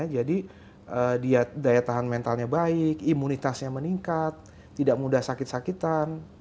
jadi dia daya tahan mentalnya baik imunitasnya meningkat tidak mudah sakit sakitan